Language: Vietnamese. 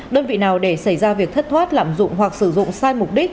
đơn vị nào để xảy ra việc thất thoát lạm dụng hoặc sử dụng sai mục đích